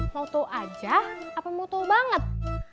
mau tuh aja apa mau tuh banget